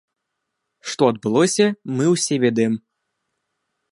Што адбылося, мы ўсе ведаем.